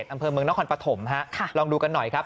อำเภอเมืองนครปฐมฮะลองดูกันหน่อยครับ